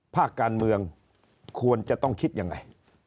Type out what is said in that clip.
ภาคการเมืองควรจะต้องคิดยังไง